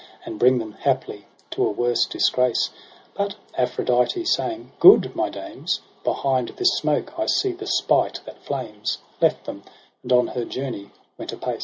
And bring them haply to a worse disgrace : But Aphrodite, saying ' Good ! my dames ; Behind this smoke I see the spite that flames,' Left them, and on her journey went apace.